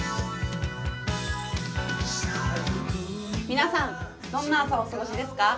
皆さん、どんな朝をお過ごしですか？